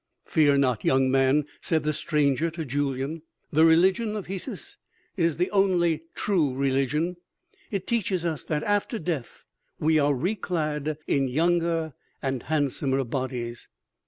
"Fear not, young man," said the stranger to Julyan, "the religion of Hesus is the only true religion; it teaches us that after death we are reclad in younger and handsomer bodies."